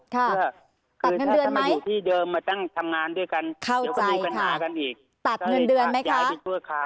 ถ้าจะมาอยู่ที่เดิมมาทำงานด้วยกันเดี๋ยวก็มีปัญหากันอีก